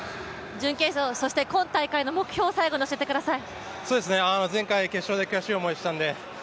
準決勝、そして今大会の目標を最後に教えてください。